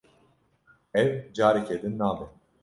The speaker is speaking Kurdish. Ev, careke din nabe.